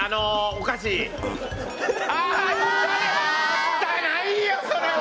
汚いよそれは！